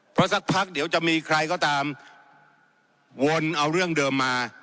เพราะสักพักเดี๋ยวจะมีใครก็ตามวนเอาเรื่องเดิมมา